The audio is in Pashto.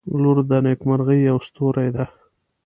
• لور د نیکمرغۍ یوه ستوری ده.